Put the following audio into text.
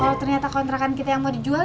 kalau ternyata kontrakan kita yang mau dijual